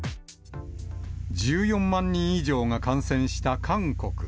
１４万人以上が感染した韓国。